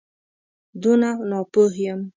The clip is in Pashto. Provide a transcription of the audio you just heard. دونه ناپوه یم.